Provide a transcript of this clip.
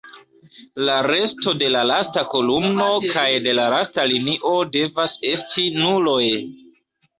La resto de la lasta kolumno kaj de la lasta linio devas esti nuloj.